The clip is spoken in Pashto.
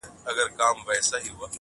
پرتكه سپينه پاڼه وڅڅېدې.